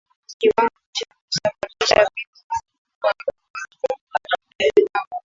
Kiwango cha kusababisha vifo kwa ugonjwa wa mkojo damu